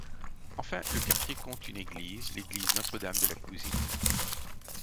Enfin, le quartier compte une église, l'église Notre-Dame de la Cousinerie.